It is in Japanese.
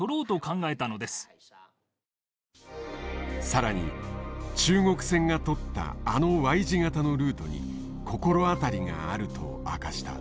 更に中国船が取ったあのＹ字型のルートに心当たりがあると明かした。